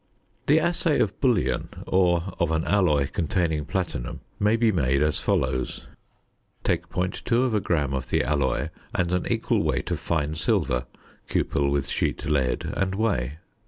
The assay of bullion, or of an alloy containing platinum, may be made as follows: Take 0.2 gram of the alloy and an equal weight of fine silver, cupel with sheet lead, and weigh.